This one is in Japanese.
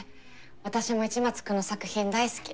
私も市松君の作品大好き。